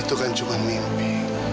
itu kan cuma mimpi